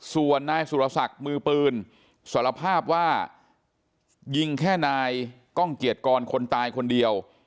ส่วนนายสุรศักดิ์มือปืนสารภาพว่ายิงแค่นายก้องเกียรติกรคนตายคนเดียว